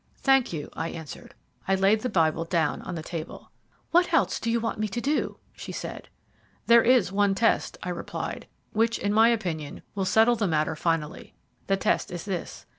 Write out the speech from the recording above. "Thank you," I answered. I laid the Bible down on the table. "What else do you want me to do?" she said. "There is one test," I replied, "which, in my opinion, will settle the matter finally. The test is this.